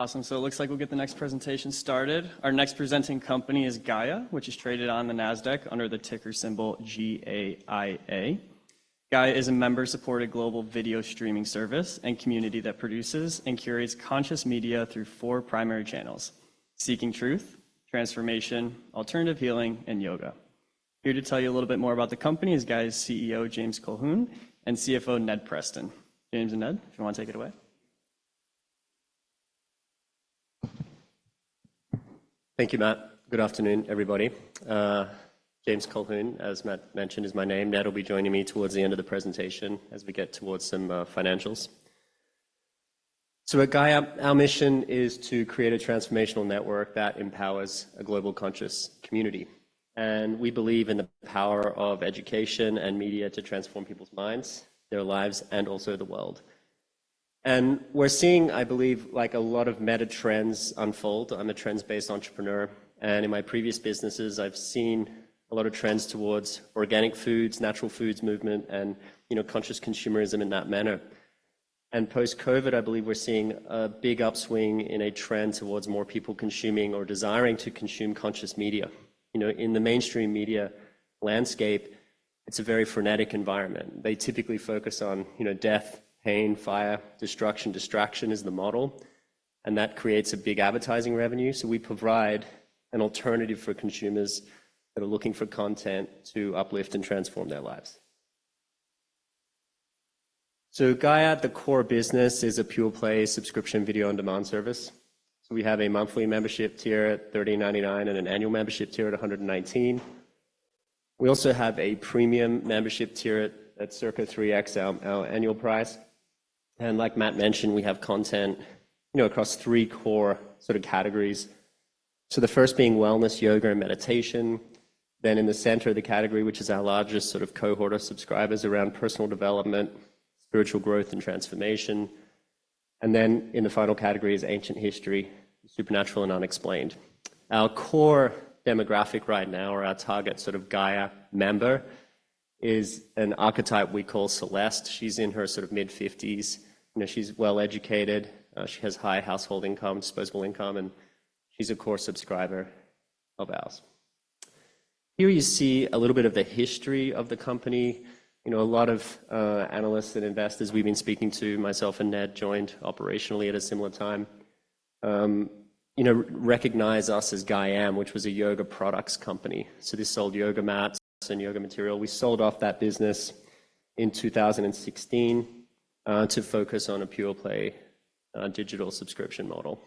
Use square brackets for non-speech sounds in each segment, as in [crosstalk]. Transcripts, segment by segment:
Awesome. So it looks like we'll get the next presentation started. Our next presenting company is Gaia, which is traded on the NASDAQ under the ticker symbol G-A-I-A. Gaia is a member-supported global video streaming service and community that produces and curates conscious media through four primary channels, Seeking Truth, Transformation, Alternative Healing, and Yoga. Here to tell you a little bit more about the company is Gaia's CEO, James Colquhoun, and CFO, Ned Preston. James and Ned, if you wanna take it away. Thank you, Matt. Good afternoon, everybody. James Colquhoun, as Matt mentioned, is my name. Ned will be joining me towards the end of the presentation as we get towards some financials, so at Gaia, our mission is to create a transformational network that empowers a global conscious community, and we believe in the power of education and media to transform people's minds, their lives, and also the world, and we're seeing, I believe, like, a lot of meta trends unfold. I'm a trends-based entrepreneur, and in my previous businesses, I've seen a lot of trends towards organic foods, natural foods movement, and, you know, conscious consumerism in that manner, and post-COVID, I believe we're seeing a big upswing in a trend towards more people consuming or desiring to consume conscious media. You know, in the mainstream media landscape, it's a very frenetic environment. They typically focus on, you know, death, pain, fire, destruction. Distraction is the model, and that creates a big advertising revenue, so we provide an alternative for consumers that are looking for content to uplift and transform their lives. Gaia, at the core business, is a pure play subscription video on-demand service. We have a monthly membership tier at $39.99 and an annual membership tier at $119. We also have a premium membership tier at circa 3x our annual price. And like Matt mentioned, we have content, you know, across three core sort of categories, the first being wellness, yoga, and meditation. Then in the center of the category, which is our largest sort of cohort of subscribers, around personal development, spiritual growth, and transformation. And then in the final category is ancient history, supernatural, and unexplained. Our core demographic right now, or our target sort of Gaia member, is an archetype we call Celeste. She's in her sort of mid-fifties, you know, she's well-educated, she has high household income, disposable income, and she's a core subscriber of ours. Here you see a little bit of the history of the company. You know, a lot of analysts and investors we've been speaking to, myself and Ned joined operationally at a similar time, you know, recognize us as Gaiam, which was a yoga products company. So this sold yoga mats and yoga material. We sold off that business in 2016 to focus on a pure play digital subscription model.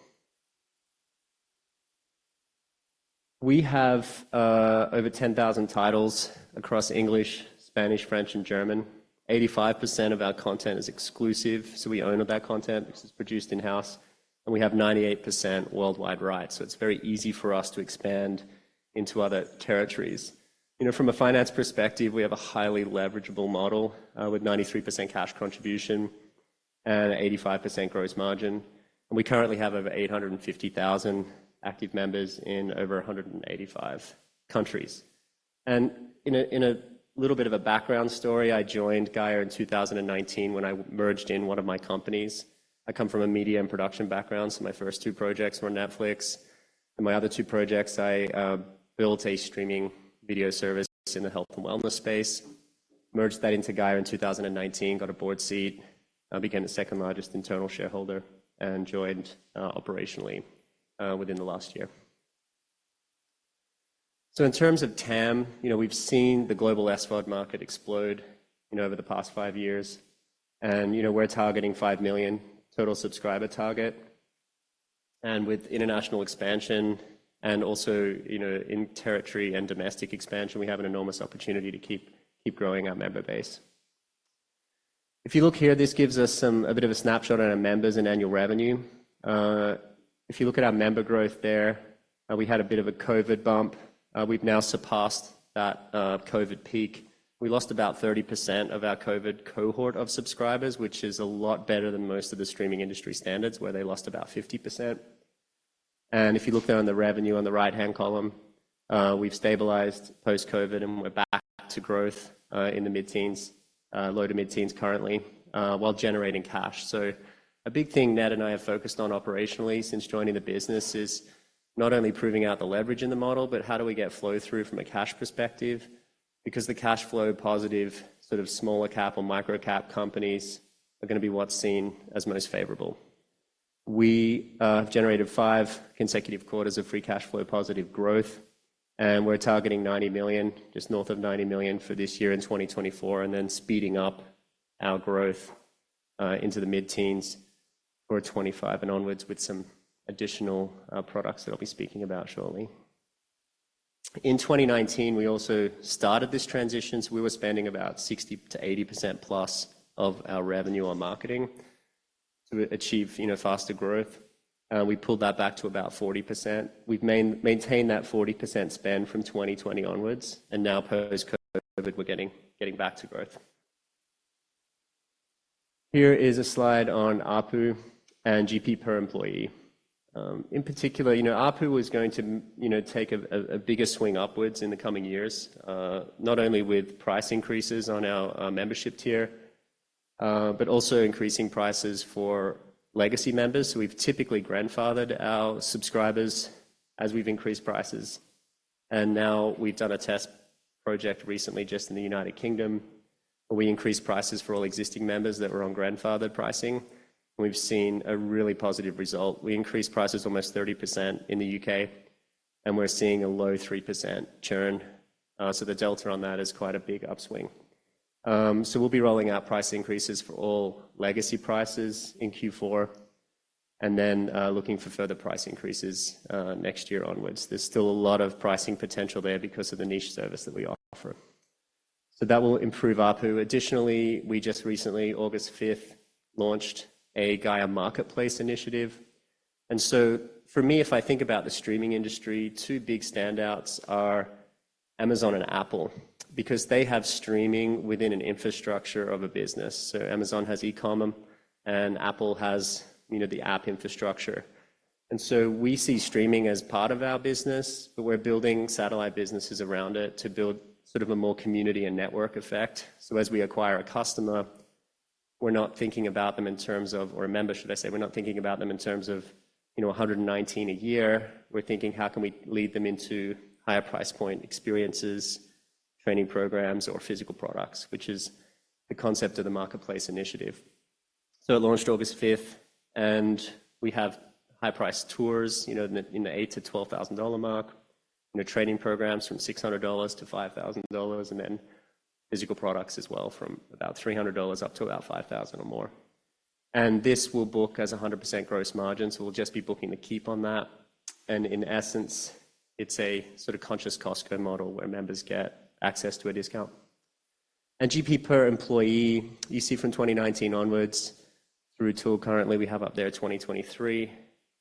We have over 10,000 titles across English, Spanish, French and German. 85% of our content is exclusive, so we own all that content, which is produced in-house, and we have 98% worldwide rights, so it's very easy for us to expand into other territories. You know, from a finance perspective, we have a highly leverageable model with 93% cash contribution and 85% gross margin, and we currently have over 850,000 active members in over 185 countries, and in a little bit of a background story, I joined Gaia in 2019 when I merged in one of my companies. I come from a media and production background, so my first two projects were Netflix, and my other two projects, I built a streaming video service in the health and wellness space, merged that into Gaia in 2019, got a board seat, became the second largest internal shareholder, and joined operationally within the last year. So in terms of TAM, you know, we've seen the global SVOD market explode, you know, over the past five years, and, you know, we're targeting five million total subscriber target, and with international expansion and also, you know, in territory and domestic expansion, we have an enormous opportunity to keep growing our member base. If you look here, this gives us a bit of a snapshot on our members and annual revenue. If you look at our member growth there, we had a bit of a COVID bump. We've now surpassed that, COVID peak. We lost about 30% of our COVID cohort of subscribers, which is a lot better than most of the streaming industry standards, where they lost about 50%. And if you look down the revenue on the right-hand column, we've stabilized post-COVID, and we're back to growth, in the mid-teens, low to mid-teens currently, while generating cash. So a big thing Ned and I have focused on operationally since joining the business is not only proving out the leverage in the model, but how do we get flow-through from a cash perspective? Because the cash flow positive, sort of smaller cap or micro-cap companies are gonna be what's seen as most favorable. We generated five consecutive quarters of free cash flow positive growth, and we're targeting $90 million, just north of $90 million for this year in 2024, and then speeding up our growth into the mid-teens for 2025 and onwards with some additional products that I'll be speaking about shortly. In 2019, we also started this transition, so we were spending about 60%-80%+ of our revenue on marketing to achieve, you know, faster growth. We pulled that back to about 40%. We've maintained that 40% spend from 2020 onwards, and now post-COVID, we're getting back to growth. Here is a slide on ARPU and GP per employee. In particular, you know, ARPU is going to, you know, take a bigger swing upwards in the coming years, not only with price increases on our membership tier, but also increasing prices for legacy members. So we've typically grandfathered our subscribers as we've increased prices, and now we've done a test project recently just in the United Kingdom, where we increased prices for all existing members that were on grandfathered pricing. We've seen a really positive result. We increased prices almost 30% in the U.K., and we're seeing a low 3% churn. So the delta on that is quite a big upswing. So we'll be rolling out price increases for all legacy prices in Q4, and then looking for further price increases next year onwards. There's still a lot of pricing potential there because of the niche service that we offer. So that will improve ARPU. Additionally, we just recently, 5 August 2024, launched a Gaia Marketplace initiative. And so for me, if I think about the streaming industry, two big standouts are Amazon and Apple, because they have streaming within an infrastructure of a business. So Amazon has e-commerce, and Apple has, you know, the app infrastructure. And so we see streaming as part of our business, but we're building satellite businesses around it to build sort of a more community and network effect. So as we acquire a customer, we're not thinking about them in terms of, or a member, should I say, you know, $119 a year. We're thinking, how can we lead them into higher price point experiences, training programs, or physical products? Which is the concept of the marketplace initiative. So it launched August fifth, and we have high-priced tours, you know, in the $8,000-$12,000 mark, you know, training programs from $600 to $5,000, and then physical products as well, from about $300 up to about $5,000 or more. And this will book as 100% gross margin, so we'll just be booking the keep on that. And in essence, it's a sort of conscious Costco model, where members get access to a discount. GP per employee, you see from 2019 onwards, through to currently we have up there 2023,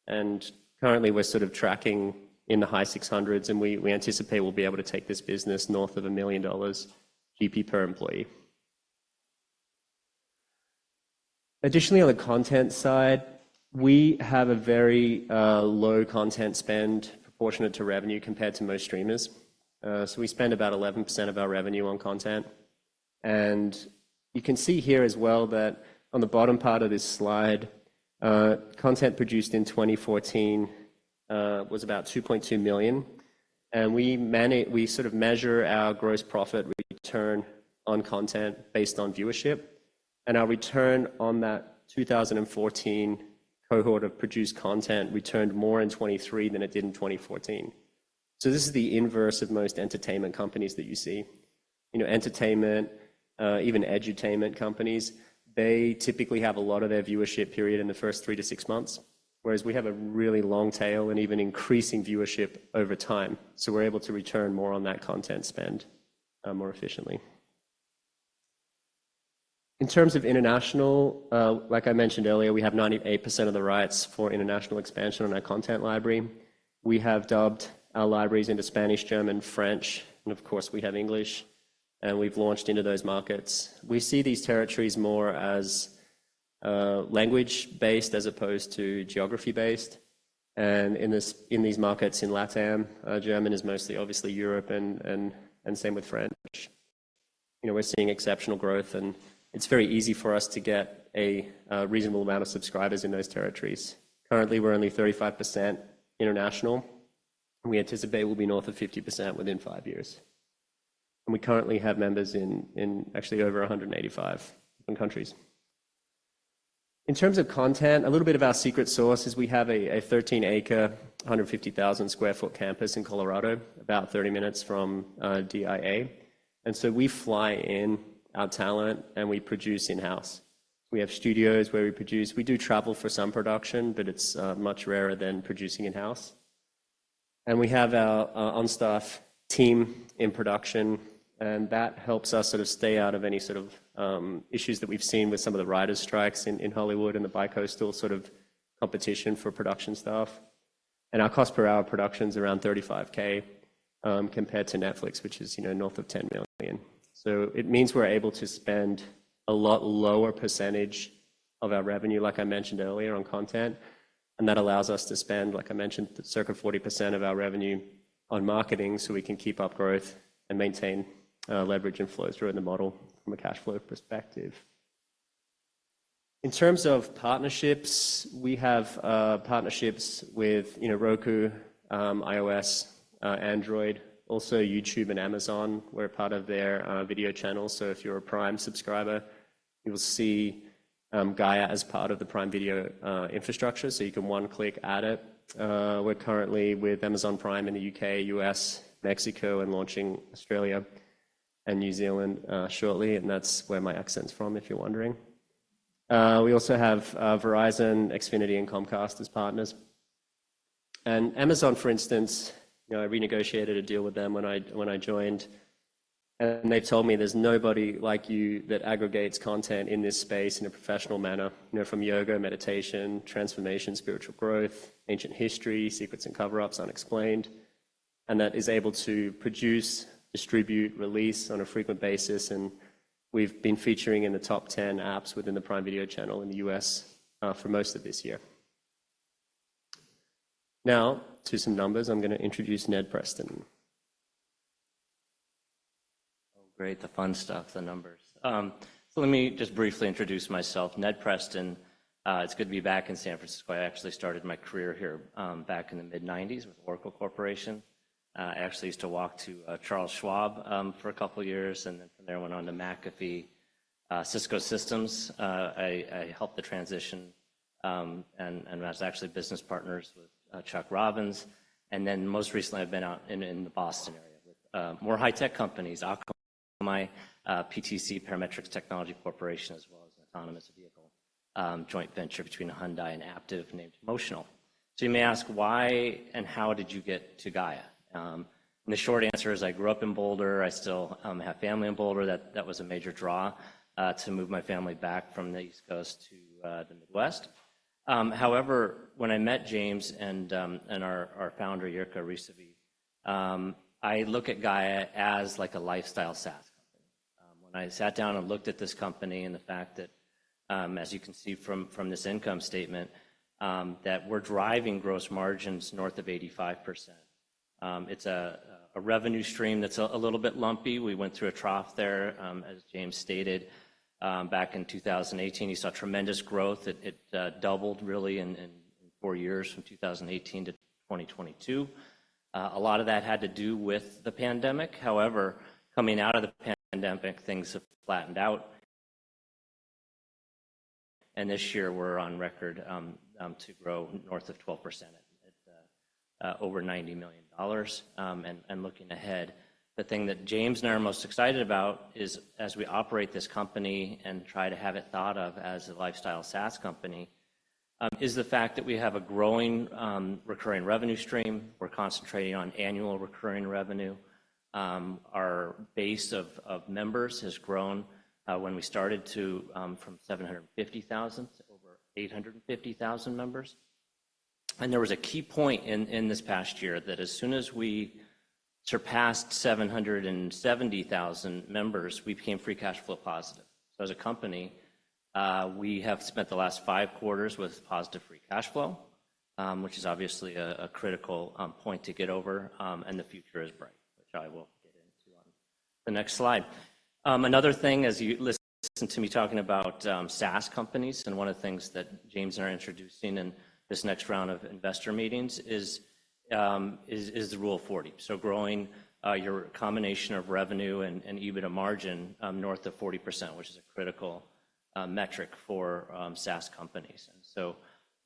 and currently, we're sort of tracking in the high six hundreds, and we anticipate we'll be able to take this business north of $1 million GP per employee. Additionally, on the content side, we have a very low content spend proportionate to revenue compared to most streamers. So we spend about 11% of our revenue on content. And you can see here as well that on the bottom part of this slide, content produced in 2014 was about $2.2 million, and we sort of measure our gross profit return on content based on viewership. And our return on that 2014 cohort of produced content returned more in 2023 than it did in 2014. So this is the inverse of most entertainment companies that you see. You know, entertainment, even edutainment companies, they typically have a lot of their viewership period in the first three to six months, whereas we have a really long tail and even increasing viewership over time. We're able to return more on that content spend, more efficiently. In terms of international, like I mentioned earlier, we have 98% of the rights for international expansion on our content library. We have dubbed our libraries into Spanish, German, French, and of course, we have English, and we've launched into those markets. We see these territories more as language-based as opposed to geography-based. In this, in these markets, in LATAM, German is mostly obviously Europe and same with French. You know, we're seeing exceptional growth, and it's very easy for us to get a reasonable amount of subscribers in those territories. Currently, we're only 35% international, and we anticipate we'll be north of 50% within five years. And we currently have members in actually over 185 countries. In terms of content, a little bit of our secret sauce is we have a 13-acre, 150,000 sq ft campus in Colorado, about 30 minutes from DIA. And so we fly in our talent, and we produce in-house. We have studios where we produce. We do travel for some production, but it's much rarer than producing in-house. And we have our on-staff team in production, and that helps us sort of stay out of any sort of issues that we've seen with some of the writers' strikes in Hollywood and the bicoastal sort of competition for production staff. And our cost per hour production is around $35,000 compared to Netflix, which is, you know, north of $10 million. So it means we're able to spend a lot lower percentage of our revenue, like I mentioned earlier, on content, and that allows us to spend, like I mentioned, circa 40% of our revenue on marketing, so we can keep up growth and maintain leverage and flow through in the model from a cash flow perspective. In terms of partnerships, we have partnerships with, you know, Roku, iOS, Android, also YouTube and Amazon. We're part of their video channel. So if you're a Prime subscriber, you'll see Gaia as part of the Prime Video infrastructure, so you can one-click add it. We're currently with Amazon Prime in the U.K., U.S., Mexico and launching Australia and New Zealand shortly, and that's where my accent's from, if you're wondering. We also have Verizon, Xfinity, and Comcast as partners. And Amazon, for instance, you know, I renegotiated a deal with them when I, when I joined, and they told me, "There's nobody like you that aggregates content in this space in a professional manner, you know, from yoga, meditation, transformation, spiritual growth, ancient history, secrets and cover-ups, unexplained, and that is able to produce, distribute, release on a frequent basis." And we've been featuring in the top 10 apps within the Prime Video channel in the U.S., for most of this year. Now, to some numbers. I'm gonna introduce Ned Preston. Oh, great, the fun stuff, the numbers. So let me just briefly introduce myself. Ned Preston. It's good to be back in San Francisco. I actually started my career here, back in the mid-1990s with Oracle Corporation. I actually used to work to Charles Schwab for a couple years, and then from there, went on to McAfee, Cisco Systems. I helped the transition, and was actually business partners with Chuck Robbins. And then most recently, I've been out in the Boston area with more high tech companies, Akamai, PTC, Parametric Technology Corporation, as well as an autonomous vehicle joint venture between Hyundai and Aptiv named Motional. So you may ask, why and how did you get to Gaia? And the short answer is I grew up in Boulder. I still have family in Boulder. That was a major draw to move my family back from the East Coast to the Midwest. However, when I met James and our founder, Jirka Rysavy, I look at Gaia as like a lifestyle SaaS company. When I sat down and looked at this company and the fact that, as you can see from this income statement, that we're driving gross margins north of 85%. It's a revenue stream that's a little bit lumpy. We went through a trough there, as James stated. Back in two thousand and eighteen, you saw tremendous growth. It doubled really in four years from2018-2022 A lot of that had to do with the pandemic. However, coming out of the pandemic, things have flattened out, and this year we're on record to grow north of 12% at over $90 million. And looking ahead, the thing that James and I are most excited about is, as we operate this company and try to have it thought of as a lifestyle SaaS company, the fact that we have a growing recurring revenue stream. We're concentrating on annual recurring revenue. Our base of members has grown from 750,000 members to over 850,000 members. There was a key point in this past year that as soon as we surpassed 770,000 members, we became free cash flow positive. So as a company, we have spent the last five quarters with positive free cash flow, which is obviously a critical point to get over, and the future is bright, which I will get into on the next slide. Another thing, as you listen to me talking about SaaS companies, and one of the things that James and I are introducing in this next round of investor meetings is the Rule of 40. So growing your combination of revenue and EBITDA margin north of 40%, which is a critical metric for SaaS companies. So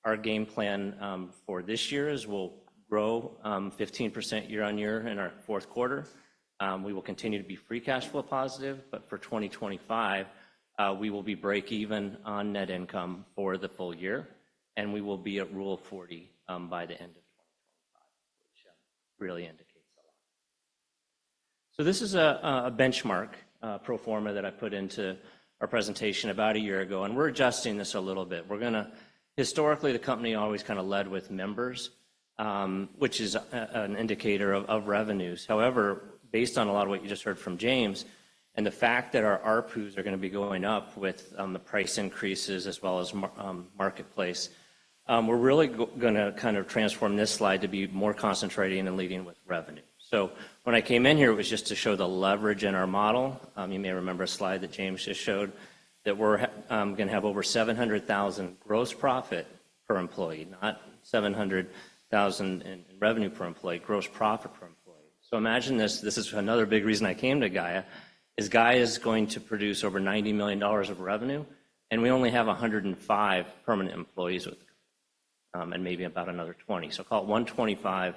our game plan for this year is we'll grow 15% year on year in our Q4. We will continue to be free cash flow positive, but for 2025, we will be break even on net income for the full year, and we will be at Rule of 40 by the end of 2025, which really indicates a lot. So this is a benchmark pro forma that I put into our presentation about a year ago, and we're adjusting this a little bit. We're gonna historically, the company always kinda led with members, which is an indicator of revenues. However, based on a lot of what you just heard from James and the fact that our ARPU's are gonna be going up with the price increases as well as marketplace, we're really gonna kind of transform this slide to be more concentrating and leading with revenue. So when I came in here, it was just to show the leverage in our model. You may remember a slide that James just showed, that we're gonna have over $700,000 gross profit per employee, not $700,000 in revenue per employee, gross profit per employee. So imagine this, this is another big reason I came to Gaia, is Gaia is going to produce over $90 million of revenue, and we only have 105 permanent employees with, and maybe about another 20. So call it 125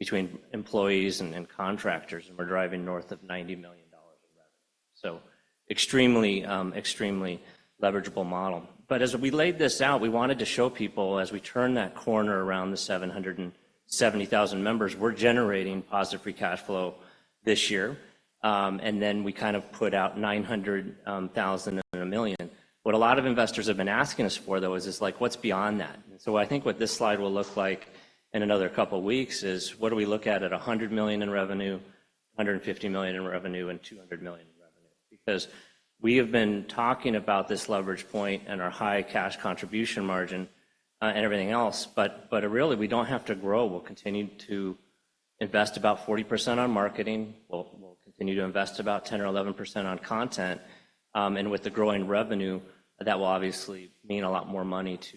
between employees and, and contractors, and we're driving north of $90 million of revenue. So extremely, extremely leverageable model. But as we laid this out, we wanted to show people as we turn that corner around the 770,000 members, we're generating positive free cash flow this year. And then we kind of put out $900,000 and $1 million. What a lot of investors have been asking us for, though, is just like: What's beyond that? So I think what this slide will look like in another couple of weeks is, what do we look at, at $100 million in revenue, $150 million in revenue, and $200 million in revenue? Because we have been talking about this leverage point and our high cash contribution margin, and everything else, but really, we don't have to grow. We'll continue to invest about 40% on marketing. We'll continue to invest about 10% or 11% on content, and with the growing revenue, that will obviously mean a lot more money to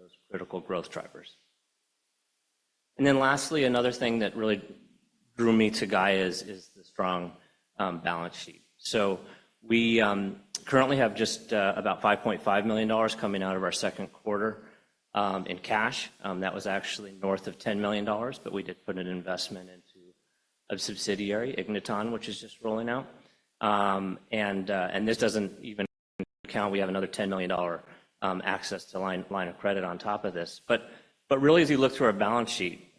those critical growth drivers, and then lastly, another thing that really drew me to Gaia is the strong balance sheet. So we currently have just about $5.5 million coming out of our Q2 in cash. That was actually north of $10 million, but we did put an investment into a subsidiary, Igniton, which is just rolling out, and this doesn't even count, we have another $10 million access to a line of credit on top of this. Really, as you look through our balance sheet,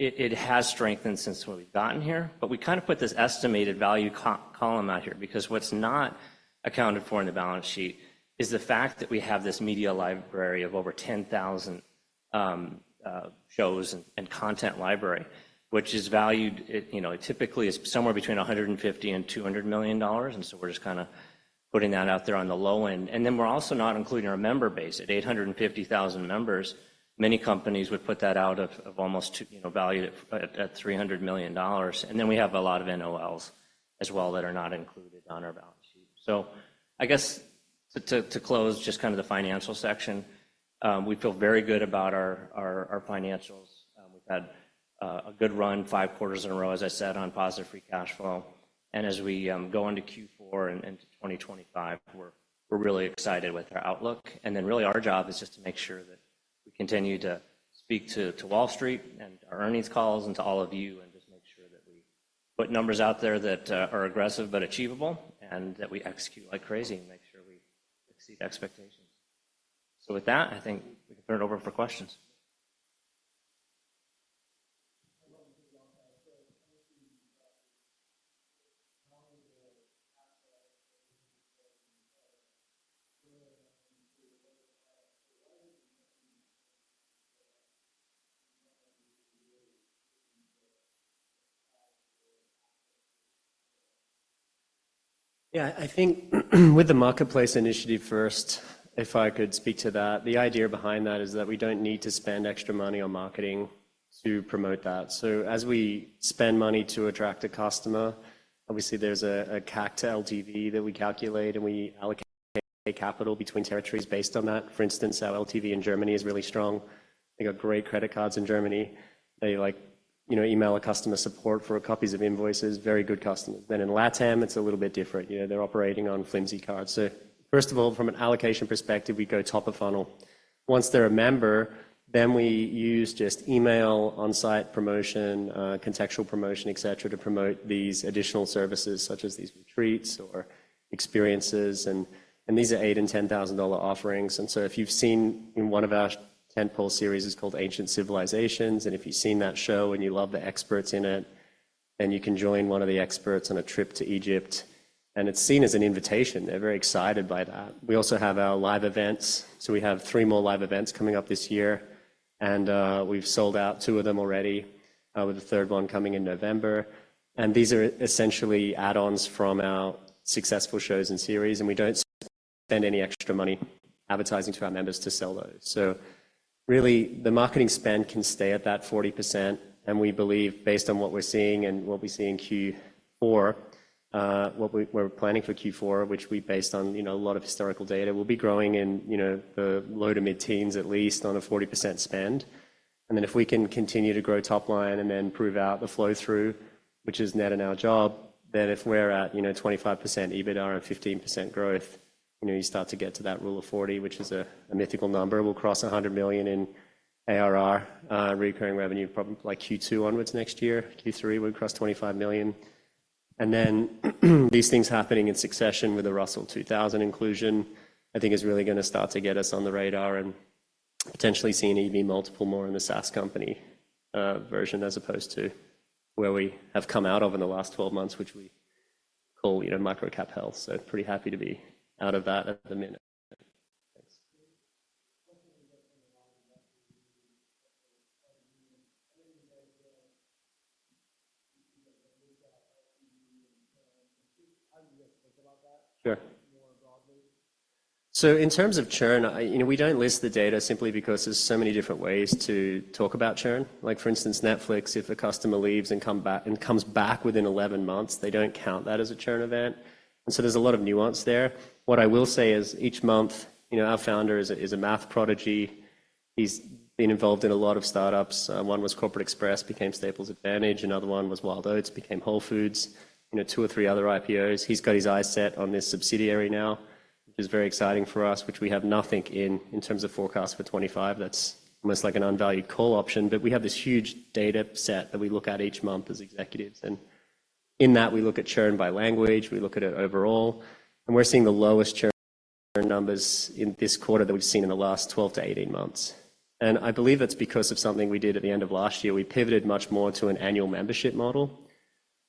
it has strengthened since what we've gotten here. But we kind of put this estimated value column out here, because what's not accounted for in the balance sheet is the fact that we have this media library of over 10,000 shows and content library, which is valued, you know, typically is somewhere between $150 million-$200 million, and so we're just kinda putting that out there on the low end. And then we're also not including our member base. At 850,000 members, many companies would put that out of almost two, you know, valued at $300 million. And then we have a lot of NOLs as well, that are not included on our balance sheet. So I guess to close just kind of the financial section, we feel very good about our financials. We've had a good run, five quarters in a row, as I said, on positive free cash flow. And as we go into Q4 and into 2025, we're really excited with our outlook. And then really our job is just to make sure that we continue to speak to Wall Street and our earnings calls, and to all of you, and just make sure that we put numbers out there that are aggressive but achievable, and that we execute like crazy and make sure we exceed expectations. So with that, I think we can turn it over for questions. [audio distortion] Yeah, I think with the Marketplace initiative first, if I could speak to that. The idea behind that is that we don't need to spend extra money on marketing to promote that. So as we spend money to attract a customer, obviously there's a CAC to LTV that we calculate, and we allocate capital between territories based on that. For instance, our LTV in Germany is really strong. They got great credit cards in Germany. They like, you know, email a customer support for copies of invoices, very good customers. Then in LATAM, it's a little bit different. You know, they're operating on flimsy cards. So first of all, from an allocation perspective, we go top of funnel. Once they're a member, then we use just email, on-site promotion, contextual promotion, et cetera, to promote these additional services, such as these retreats or experiences. And these are $8,000-$10,000 offerings. And so if you've seen in one of our tentpole series, it's called Ancient Civilizations, and if you've seen that show and you love the experts in it, then you can join one of the experts on a trip to Egypt, and it's seen as an invitation. They're very excited by that. We also have our live events, so we have three more live events coming up this year, and we've sold out two of them already, with the third one coming in November, and these are essentially add-ons from our successful shows and series, and we don't spend any extra money advertising to our members to sell those, so really, the marketing spend can stay at that 40%, and we believe, based on what we're seeing and what we see in Q4, what we're planning for Q4, which we based on, you know, a lot of historical data, we'll be growing in, you know, the low to mid-teens, at least on a 40% spend. And then if we can continue to grow top line and then prove out the flow-through, which is net in our job, then if we're at, you know, 25% EBITDA and 15% growth, you know, you start to get to that rule of 40, which is a mythical number. We'll cross $100 million in ARR, recurring revenue, probably like Q2 onwards next year. Q3, we'll cross $25 million. And then, these things happening in succession with the Russell 2000 inclusion, I think is really gonna start to get us on the radar and potentially see an EV multiple more in the SaaS company version, as opposed to where we have come out of in the last twelve months, which we call, you know, micro-cap health. So pretty happy to be out of that at the minute. Thanks. [audio distortion] So in terms of churn, I, you know, we don't list the data simply because there's so many different ways to talk about churn. Like for instance, Netflix, if a customer leaves and comes back within 11 months, they don't count that as a churn event, and so there's a lot of nuance there. What I will say is, each month, you know, our founder is a math prodigy. He's been involved in a lot of startups. One was Corporate Express, became Staples Advantage. Another one was Wild Oats, became Whole Foods. You know, two or three other IPOs. He's got his eyes set on this subsidiary now, which is very exciting for us, which we have nothing in terms of forecast for 2025. That's almost like an unvalued call option. But we have this huge data set that we look at each month as executives, and in that, we look at churn by language, we look at it overall, and we're seeing the lowest churn numbers in this quarter than we've seen in the last 12-18 months. And I believe that's because of something we did at the end of last year. We pivoted much more to an annual membership model,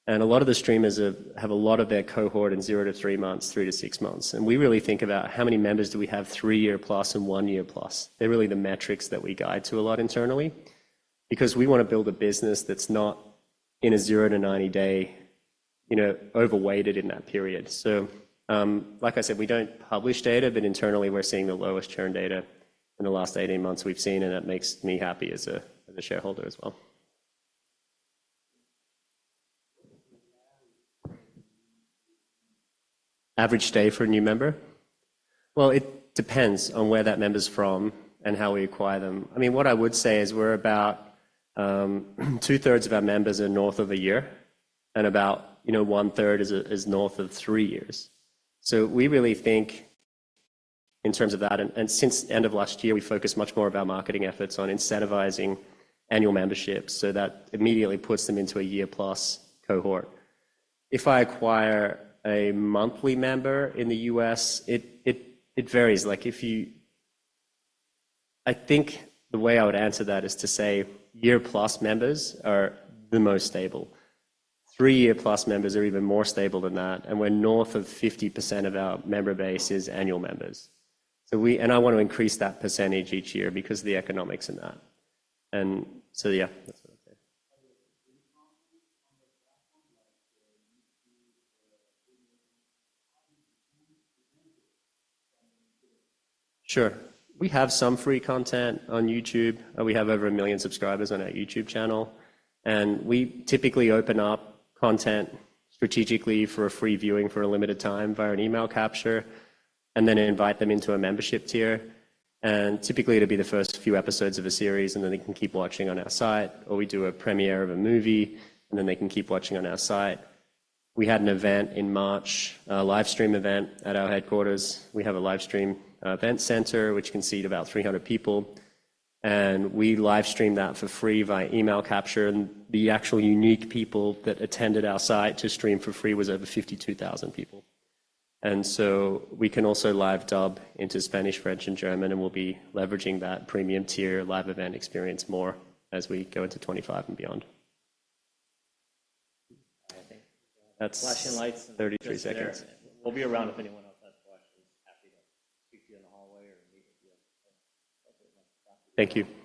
and a lot of the streamers have a lot of their cohort in zero to three months, three to six months. And we really think about how many members do we have, three-year-plus and one-year-plus. They're really the metrics that we guide to a lot internally because we wanna build a business that's not in a zero to 90-day, you know, overweighted in that period. Like I said, we don't publish data, but internally, we're seeing the lowest churn data in the last eighteen months we've seen, and that makes me happy as a shareholder as well. Average stay for a new member? It depends on where that member's from and how we acquire them. I mean, what I would say is we're about 2/3 of our members are north of a year, and about, you know, 1/3 is north of three years. So we really think in terms of that, and since the end of last year, we focused much more of our marketing efforts on incentivizing annual memberships, so that immediately puts them into a year-plus cohort. If I acquire a monthly member in the U.S., it varies. Like, if you, I think the way I would answer that is to say year-plus members are the most stable. Three-year-plus members are even more stable than that, and we're north of 50% of our member base is annual members. So, and I want to increase that percentage each year because of the economics in that. And so, yeah, that's about it. [audio distortion] Sure. We have some free content on YouTube. We have over a million subscribers on our YouTube channel, and we typically open up content strategically for a free viewing for a limited time via an email capture, and then invite them into a membership tier. And typically, it'll be the first few episodes of a series, and then they can keep watching on our site, or we do a premiere of a movie, and then they can keep watching on our site. We had an event in March, a live stream event at our headquarters. We have a live stream event center, which can seat about 300 people, and we live streamed that for free via email capture, and the actual unique people that attended our site to stream for free was over 52,000 people. And so we can also live dub into Spanish, French, and German, and we'll be leveraging that premium tier live event experience more as we go into 2025 and beyond. Flashing lights, 33 seconds. We'll be around if anyone else has questions. Happy to speak to you in the hallway or meet with you. Thank you.